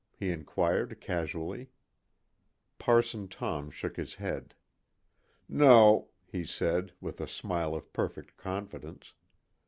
he inquired casually. Parson Tom shook his head. "No," he said, with a smile of perfect confidence.